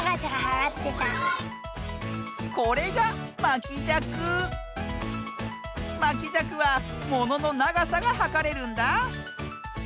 まきじゃくはもののながさがはかれるんだ。